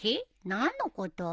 何のこと？